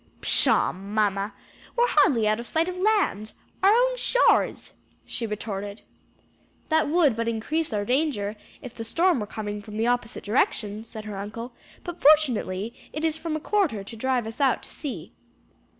"Pshaw, mamma! we're hardly out of sight of land our own shores," she retorted. "That would but increase our danger if the storm were coming from the opposite direction," said her uncle; "but fortunately, it is from a quarter to drive us out to sea."